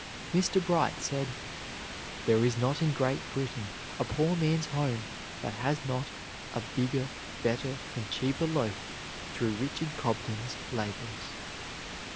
Mr. Bright said: "There is not in Great Britain a poor man's home that has not a bigger, better, and cheaper loaf through Richard Cobden's labors."